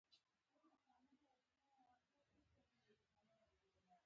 په غريو نيولي ږغ يې وويل.